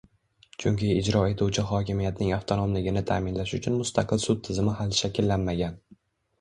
Chunki ijro etuvchi hokimiyatning avtonomligini ta'minlash uchun mustaqil sud tizimi hali shakllanmagan